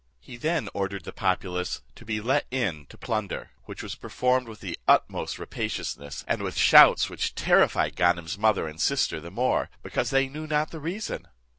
He then ordered the populace to be let in to plunder, which was performed with the utmost rapaciousness, and with shouts which terrified Ganem's mother and sister the more, because they knew not the reason.